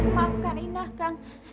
maafkan inah kang